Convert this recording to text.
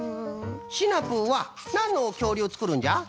シナプーはなんのきょうりゅうをつくるんじゃ？